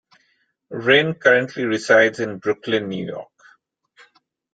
Renn currently resides in Brooklyn, New York.